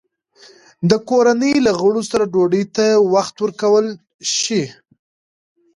د کورنۍ له غړو سره ډوډۍ ته وخت ورکول شي؟